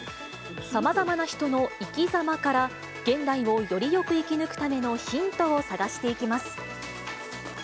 さまざまな人のいきざまから、現代をよりよく生き抜くためのヒントを探していきます。